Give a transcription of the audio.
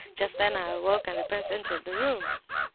Just then I awoke and the prince entered the room."